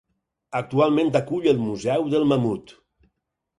Actualment acull el Museu del Mamut.